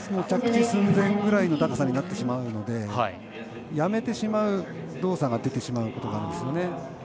着地寸前ぐらいの高さになってしまうのでやめてしまう動作が出てしまうことがあるんですよね。